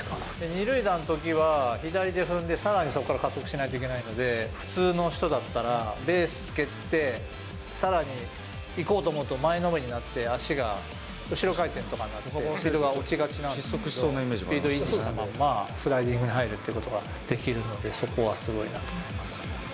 ２塁打のときは、左で踏んでさらにそこから加速しないといけないので、普通の人だったら、ベース蹴って、さらに行こうと思うと、前のめりになって、足が後ろ回転とかになってスピードが落ちがちなんですけど、スピード維持したまんま、スライディングに入るっていうことができるので、そこはすごいなと思います。